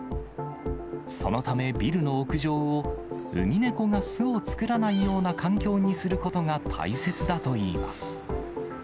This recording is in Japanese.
そのため、ビルの屋上を、ウミネコが巣を作らないような環境にすることが大切だといいます。